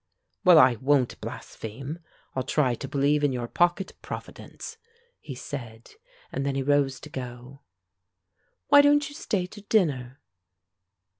"Well, I won't blaspheme. I'll try to believe in your pocket Providence," he said, and then he rose to go. "Why don't you stay to dinner?"